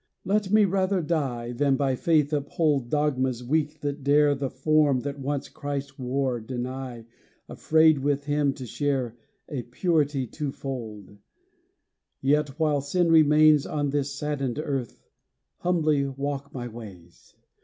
Let me rather die, Than by faith uphold Dogmas weak that dare The form that once Christ wore deny Afraid with him to share A purity twofold; Yet, while sin remains On this saddened earth, Humbly walk my ways!